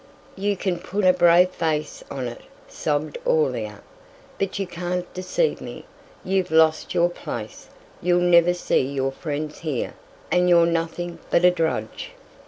"You can put a brave face on it," sobbed Aurelia, "but you can't deceive me. You've lost your place; you'll never see your friends here, and you're nothing but a drudge!"